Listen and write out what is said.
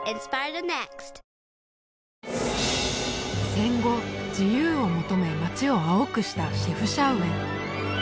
戦後自由を求め街を青くしたシェフシャウエン